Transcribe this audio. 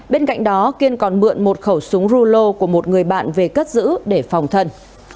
bên cạnh đó kiên còn mượn một khẩu súng rulo của một người bạn về cất giữ để phòng thân